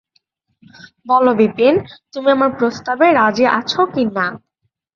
বলো বিপিন, তুমি আমার প্রস্তাবে রাজি আছ কি না?